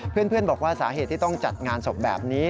เพื่อนบอกว่าสาเหตุที่ต้องจัดงานศพแบบนี้